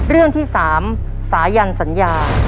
เรื่องที่๓สายันสัญญา